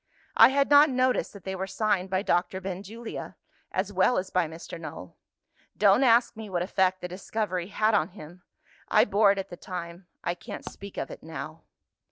I had not noticed that they were signed by Doctor Benjulia, as well as by Mr. Null. Don't ask me what effect the discovery had on him! I bore it at the time I can't speak of it now."